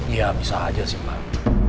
ya bisa aja sih mak